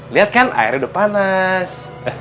lihat kan airnya udah panas